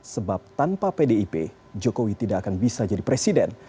sebab tanpa pdip jokowi tidak akan bisa jadi presiden